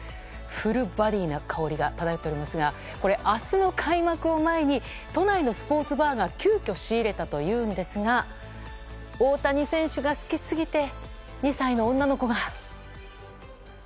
フルボディーな香りが漂っていますが明日の開幕を前に都内のスポーツバーが急きょ仕入れたというんですが大谷選手が好きすぎて２歳の女の子が。